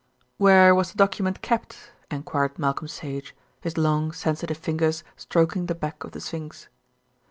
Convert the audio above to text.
"Where was the document kept?" enquired Malcolm Sage, his long, sensitive fingers stroking the back of the sphinx.